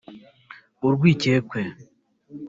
urwikekwe